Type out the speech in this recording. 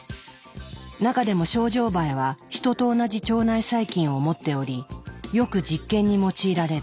中でもショウジョウバエはヒトと同じ腸内細菌を持っておりよく実験に用いられる。